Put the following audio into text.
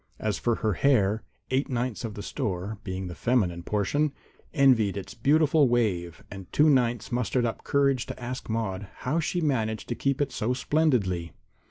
As for her hair, eight ninths of the store, being the feminine portion, envied its beautiful wave, and two ninths mustered up courage to ask Maude how she managed to keep it so splendidly.